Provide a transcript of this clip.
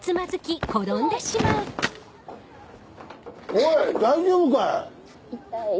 おい大丈夫かい？痛い。